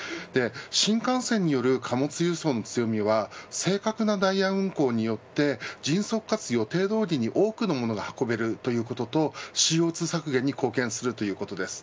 新幹線による貨物輸送の強みは正確なダイヤ運行によって迅速かつ予定どおりに多くのものが運べるということとＣＯ２削減に貢献するということです。